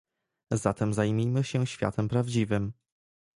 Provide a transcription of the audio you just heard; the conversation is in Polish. Zatem zajmijmy się światem prawdziwym